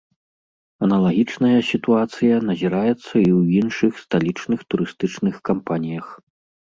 Аналагічная сітуацыя назіраецца і ў іншых сталічных турыстычных кампаніях.